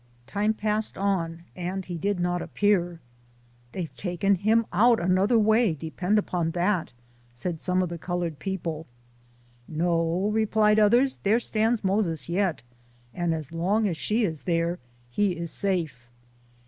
Time passed on, and he did not appear. " They've taken him LIFE OF 1IAKKIET TUUMAX. 89 out another way, depend upon that," said some of the colored people. " No," replied others, " there stands ' Moses ' yet, and as long as she is there, he is safe."